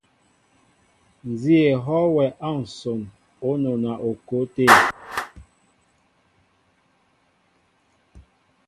Nzi éhoo wɛ a nson o nɔna o ko té.